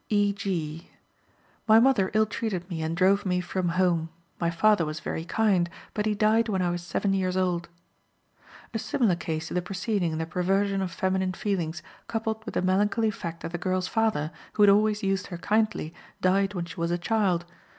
E. G.: "My mother ill treated me and drove me from home. My father was very kind, but he died when I was seven years old." A similar case to the preceding in the perversion of feminine feelings, coupled with the melancholy fact that the girl's father, who had always used her kindly, died when she was a child.